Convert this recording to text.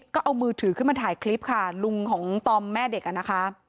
ก็เอามือถือขึ้นมาถ่ายคลิปค่ะลุงของตอมแม่เด็กอ่ะนะคะ